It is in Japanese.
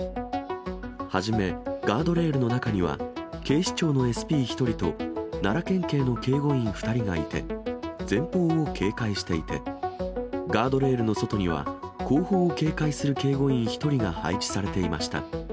初め、ガードレールの中には、警視庁のＳＰ１人と、奈良県警の警護員２人がいて、前方を警戒していて、ガードレールの外には、後方を警戒する警護員１人が配置されていました。